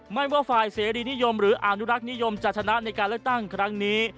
ไม่ว่าฝ่ายเสรีนิยมหรืออนุรักษ์นิยมจะชนะในการเลือกตั้งครั้งนี้